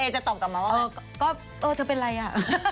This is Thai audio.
จะตอบกลับมาว่าเออก็เออเธอเป็นอะไรอ่ะ